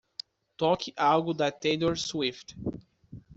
Toque algo da Taylor Swift.